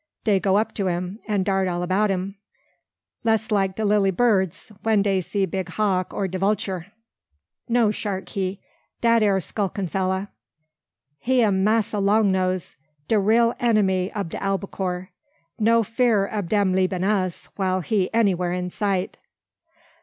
Dey go up to him, and dart all 'bout im, jess like de lilly birds when dey see big hawk or de vulture. No shark he, dat ere skulkin' fella. He am massa long nose, de real enemy ob de albacore. No fear ob dem leabin' us, while he anywhar in sight."